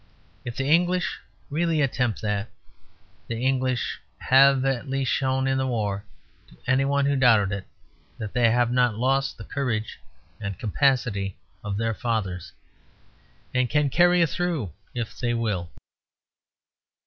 If the English really attempt that, the English have at least shown in the war, to any one who doubted it, that they have not lost the courage and capacity of their fathers, and can carry it through if they will.